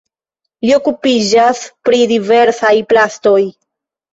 Li okupiĝas pri diversaj plastoj.